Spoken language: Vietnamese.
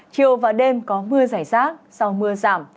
chiều và đêm có mưa rải rác sau mưa giảm